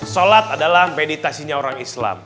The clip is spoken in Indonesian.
sholat adalah meditasinya orang islam